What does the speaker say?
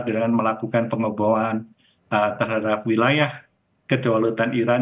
dengan melakukan pengebawaan terhadap wilayah kedualutan iran